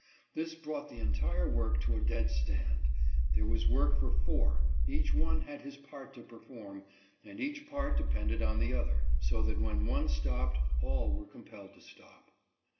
This brought the entire work to a dead stand. There was work for four : each one had CRUEL TREATMENT. 157 his part to perform, and each part depended on the other, so that when one stopped, all were compelled to stop.